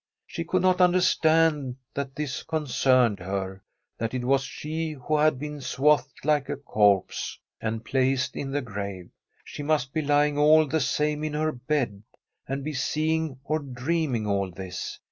She could not understand that this concerned her, that it was she who had been swathed like a corpse and placed in the grave. She must be lying all the same in her bed, and be seeing or dreaming all this.